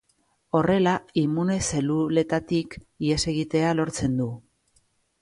Horrela immune-zeluletatik ihes egitea lortzen du.